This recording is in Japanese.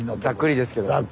ざっくりですけど。